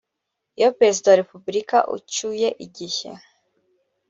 iyo perezida wa repubulika ucyuye igihe